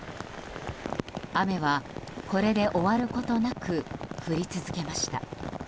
雨はこれで終わることなく降り続けました。